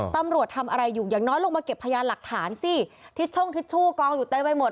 ตำรวจทำอะไรอยู่อย่างน้อยลงมาเก็บพยานหลักฐานสิทิชช่งทิชชู่กองอยู่เต็มไปหมด